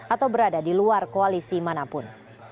atau berada di luar koalisi manapun